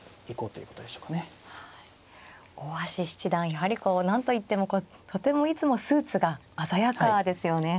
やはりこう何と言ってもとてもいつもスーツが鮮やかですよね。